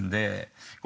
これ